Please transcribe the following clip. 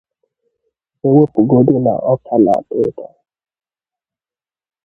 e wepụgodu na ọka na-atọ ụtọ